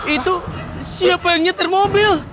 itu siapa yang nyetir mobil